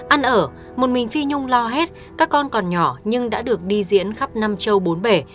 ăn ở một mình phi nhung lo hết các con còn nhỏ nhưng đã được đi diễn khắp nam châu bốn bể